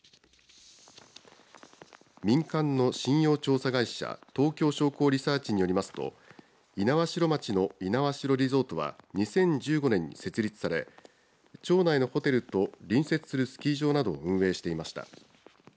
民間の信用調査会社東京商工リサーチによりますと猪苗代町の猪苗代リゾートは２０１５年に設立され町内のホテルと隣接するスキー場などを運営していました。